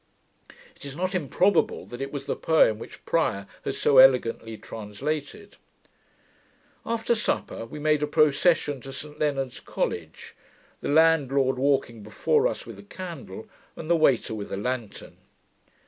It is not improbable that it was the poem which Prior has so elegantly translated. After supper, we made a procession to Saint Leonard's College, the landlord walking before us with a candle, and the waiter with a lantern.